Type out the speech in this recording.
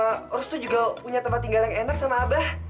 ya sama restu juga punya tempat tinggal yang enak sama abah